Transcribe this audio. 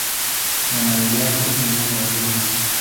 Ganadería porcina y vacuna.